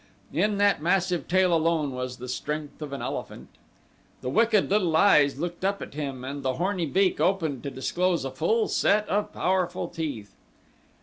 In that massive tail alone was the strength of an elephant. The wicked little eyes looked up at him and the horny beak opened to disclose a full set of powerful teeth.